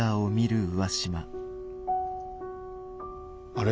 あれ？